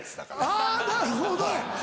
あぁなるほど！